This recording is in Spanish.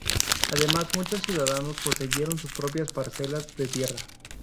Además, muchos ciudadanos poseyeron sus propias parcelas de tierra.